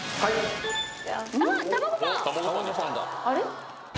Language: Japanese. あれっ？